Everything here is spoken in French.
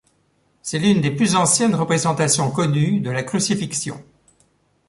C'est l'une des plus anciennes représentations connues de la Crucifixion.